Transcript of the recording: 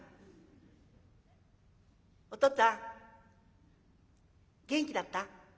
お父っつぁん元気だった？